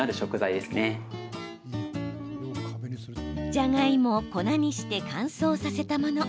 じゃがいもを粉にして乾燥させたもの。